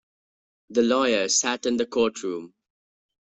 The lawyer sat in the courtroom.